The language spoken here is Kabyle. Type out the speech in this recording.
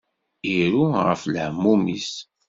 Iru ɣef lehmum-is.